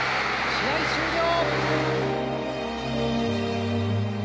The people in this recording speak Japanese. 試合終了。